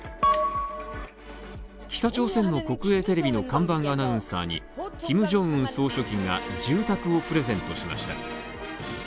北朝鮮の国営テレビの看板アナウンサーにキム・ジョンウン総書記が住宅をプレゼントしました。